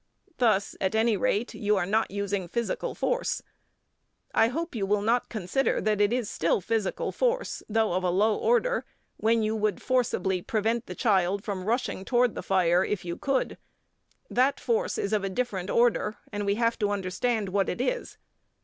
Thus, at any rate, you are not using physical force. I hope you will not consider that it is still physical force, though of a low order, when you would forcibly prevent the child from rushing towards the fire if you could. That force is of a different order, and we have to understand what it is.